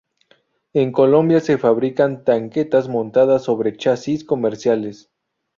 En Colombia se fabrican tanquetas montadas sobre chasis comerciales.